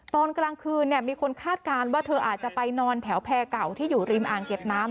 ตอนกลางคืนมีคนคาดการณ์ว่าเธออาจจะไปนอนแถวแพรเก่าที่อยู่ริมอ่างเก็บน้ำ